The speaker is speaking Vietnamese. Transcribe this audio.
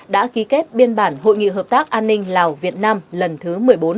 đã ký kết biên bản hội nghị hợp tác an ninh lào việt nam lần thứ một mươi bốn